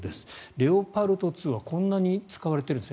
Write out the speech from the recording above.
レオパルト２はこんなに使われているんですね。